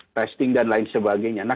testing dan lain sebagainya